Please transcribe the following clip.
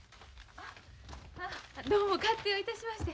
どうも勝手をいたしまして。